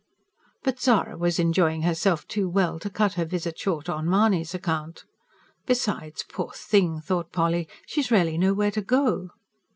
But Zara was enjoying herself too well to cut her visit short on Mahony's account. "Besides, poor thing," thought Polly, "she has really nowhere to go."